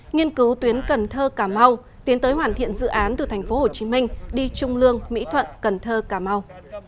nghiên cứu tuyến cần thơ cà mau tiến tới hoàn thiện dự án từ tp hcm đi trung lương mỹ thuận cần thơ cà mau